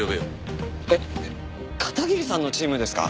えっ片桐さんのチームですか？